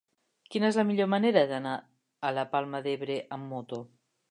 Quina és la millor manera d'anar a la Palma d'Ebre amb moto?